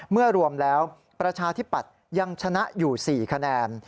เมื่อรวมแล้วประชาธิปัตย์ยังชนะอยู่๔คะแนน